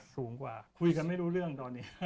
สูงกว่าคุยกันไม่รู้เรื่องตอนนี้